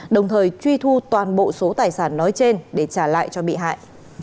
đồng thời truy thu toàn bộ số tài sản nói trên để trả lại cho bị hại